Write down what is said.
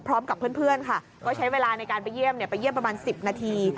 พร้อมกับเพื่อนค่ะก็ใช้เวลาในการไปเยี่ยมไปเยี่ยมประมาณ๑๐นาที